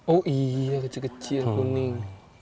oh iya kecil kecil kuning